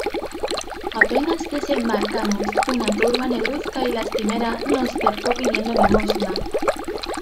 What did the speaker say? apenas desembarcamos, una turba negruzca y lastimera nos cercó pidiendo limosna.